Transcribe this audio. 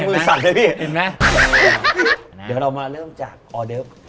เดี๋ยวเรามาเริ่มจากออเดิฟ